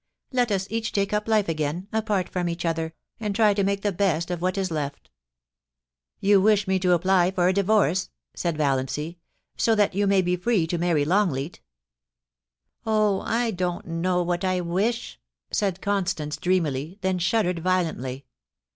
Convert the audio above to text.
... Let us each take up life again, apart from each other, and try to make the best of what is left' * You wish me to apply for a divorce,' said Valiancy, * so that you may be free to marry Longleat' * Oh, I don't know what I wish,' said Constance, dreamily, then shuddered violently.